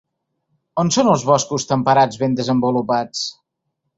On són els boscos temperats ben desenvolupats?